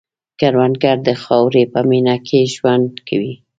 کروندګر د خاورې په مینه کې ژوند کوي